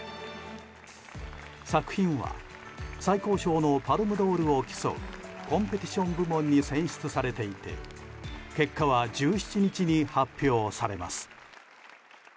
作品は最高賞のパルム・ドールを競うコンペティション部門に選出されていて結果は１７日に発表されます。